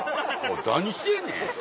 何してんねん！